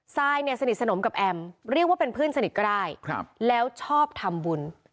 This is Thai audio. ซายเนี่ยสนิทสนมกับแอมเรียกว่าเป็นเพื่อนสนิทก็ได้แล้วชอบทำบุญ